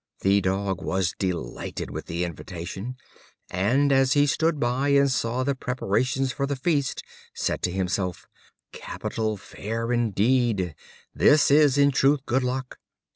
The Dog was delighted with the invitation, and as he stood by and saw the preparations for the feast, said to himself: "Capital fare indeed! this is, in truth, good luck.